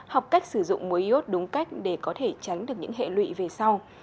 học cách sử dụng muối y ốt đúng cách để có thể tránh được những hệ lụy về sau